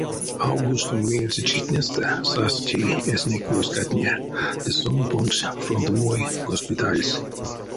Августонь меельце читнестэ састь тей эсенек войскатне, ды сон понгсь фронтовой госпитальс.